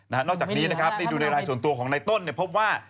นอกจากนี้ดูในลายส่วนตัวของในต้นพบว่า